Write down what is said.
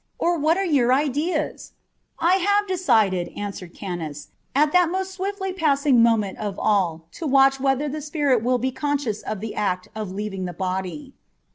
or what are your ideas ?" "I have decided," answered Kanus, "at that most swiftly passing moment of all to watch whether the spirit will be conscious of the act of leaving the body."